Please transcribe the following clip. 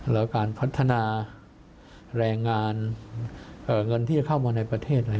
แล้วการพัฒนาแรงงานเงินที่จะเข้ามาในประเทศ